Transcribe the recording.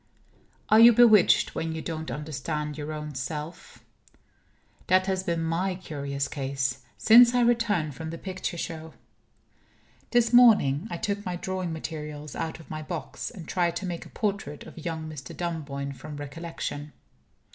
Are you bewitched when you don't understand your own self? That has been my curious case, since I returned from the picture show. This morning I took my drawing materials out of my box, and tried to make a portrait of young Mr. Dunboyne from recollection.